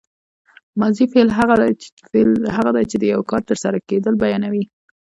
ماضي فعل هغه دی چې د یو کار تر سره کېدل بیانوي.